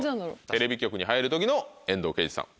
テレビ局に入る時の遠藤憲一さん。